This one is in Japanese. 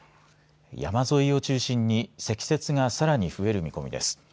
山沿いを中心に積雪がさらに増える見込みです。